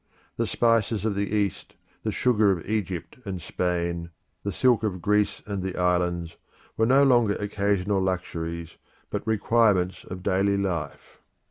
The spices of the East, the sugar of Egypt and Spain, the silk of Greece and the islands were no longer occasional luxuries, but requirements of daily life.